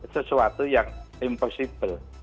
sesuatu yang impossible